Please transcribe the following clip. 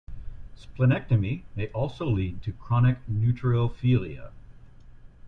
Splenectomy may also lead to chronic neutrophilia.